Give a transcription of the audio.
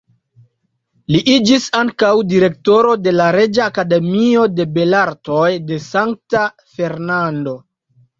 Li iĝis ankaŭ direktoro de la Reĝa Akademio de Belartoj de Sankta Fernando.